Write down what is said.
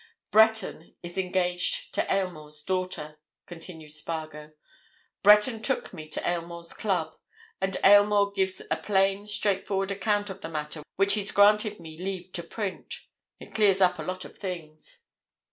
"Breton is engaged to Aylmore's daughter," continued Spargo. "Breton took me to Aylmore's club. And Aylmore gives a plain, straightforward account of the matter which he's granted me leave to print. It clears up a lot of things.